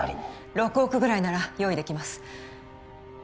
６億ぐらいなら用意できます